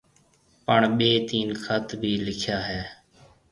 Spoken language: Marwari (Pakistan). پڻ ٻي تين خط ڀِي لِکيآ هيَ۔